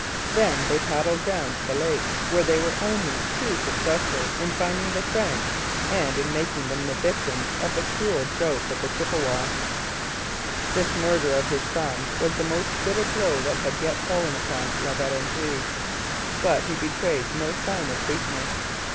Then they paddled down to the lake, where they were only too successful in finding the French and in making them the victims of the cruel joke of the Chippewas. This murder of his son was the most bitter blow that had yet fallen upon La Vérendrye. But he betrayed no sign of weakness.